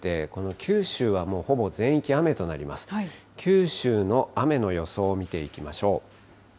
九州の雨の予想を見ていきましょう。